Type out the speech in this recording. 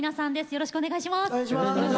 よろしくお願いします。